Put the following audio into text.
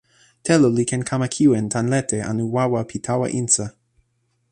telo li ken kama kiwen tan lete anu wawa pi tawa insa.